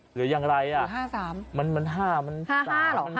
หรือยังไรอ่ะหรือห้าสามมันมันห้ามันห้าห้าเหรอ